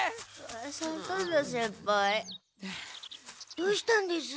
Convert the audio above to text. どうしたんです？